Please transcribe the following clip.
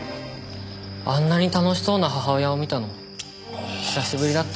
あんなに楽しそうな母親を見たの久しぶりだった。